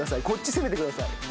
こっち攻めてください。